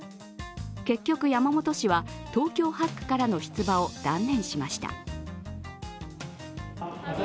結局、山本氏は東京８区からの出馬を断念しました。